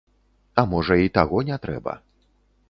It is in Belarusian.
А можа і таго не трэба.